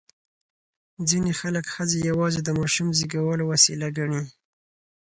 ځینې خلک ښځې یوازې د ماشوم زېږولو وسیله ګڼي.